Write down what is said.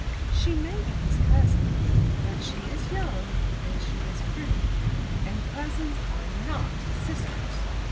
She may be his cousin, but she is young, and she is pretty. And cousins are not sisters.